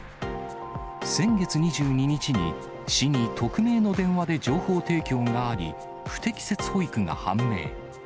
先月２２日に、市に匿名の電話で情報提供があり、不適切保育が判明。